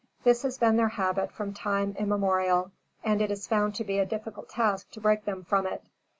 This has been their habit from time immemorial, and it is found to be a difficult task to break them from it.